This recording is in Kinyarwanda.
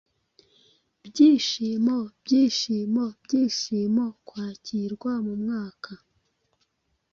Byishimo, Byishimo Byishimo, kwakirwa mumwaka.